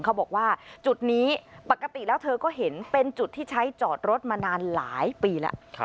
เขาบอกว่าจุดนี้ปกติแล้วเธอก็เห็นเป็นจุดที่ใช้จอดรถมานานหลายปีแล้ว